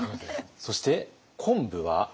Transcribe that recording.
そして昆布は？